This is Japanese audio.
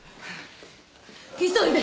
急いで！